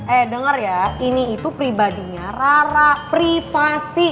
eh dengar ya ini itu pribadinya rara privasi